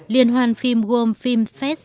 liên hoan phim gồm phim fes